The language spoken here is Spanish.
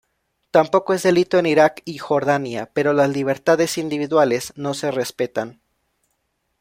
Tampoco es delito en Irak y Jordania, pero las libertades individuales no se respetan.